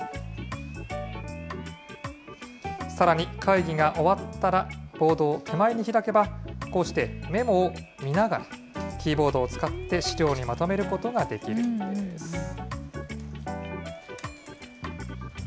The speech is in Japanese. さらに、会議が終わったら、ボードを手前に開けば、こうしてメモを見ながら、キーボードを使って資料にまとめることができるんです。